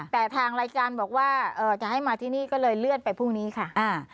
แต่ทางรายการบอกว่าเอ่อจะให้มาที่นี่ก็เลยเลื่อนไปพรุ่งนี้ค่ะอ่า